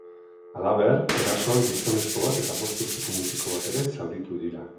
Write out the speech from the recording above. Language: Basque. Halaber, erasoan gizonezko bat eta bost urteko mutiko bat ere zauritu dira.